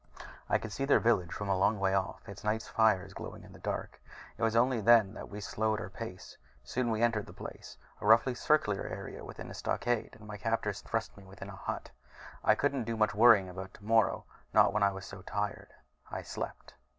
I could see their village from a long way off, its night fires glowing in the dark. It was only then that we slowed our pace. Soon we entered the place, a roughly circular area within a stockade, and my captors thrust me within a hut. I couldn't do much worrying about tomorrow, not when I was so tired. I slept.